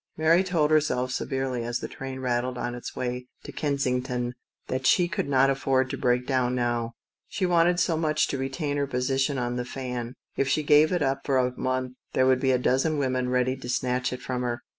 Mary told herself severely, as the train rattled on its way to Kensington, that she could not afford to break down now. She wanted so much to retain her position on The Fan magazine ; if she gave it up for a month there would be a dozen women ready to snatch it from her.